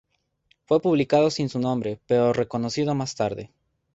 Fue publicado sin su nombre pero reconocido más tarde.